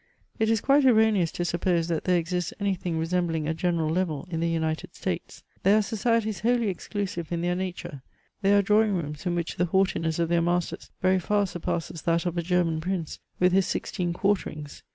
It is quite erroneous to suppose that there exists any thing resembling a general level in the United States. There are societies wholly exclusive in their na ture ; there are drawing rooms in which the haughtiness of their masters very iar surpasses that of a Crerman Prince, with his sixteen quarterings.